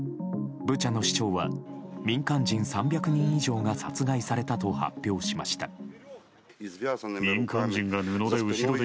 ブチャの市長は民間人３００人以上が殺害されたと発表しました。